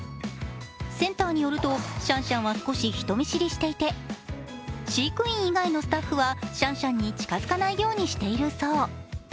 センターによると、シャンシャンは少し人見知りしていて、飼育員以外のスタッフはシャンシャンに近づかないようにしているそう。